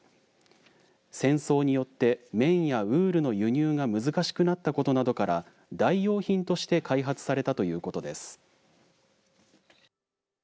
戦争によって綿やウールの輸入が難しくなったことなどから代用品として開発されたということです。